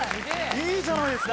いいじゃないですか。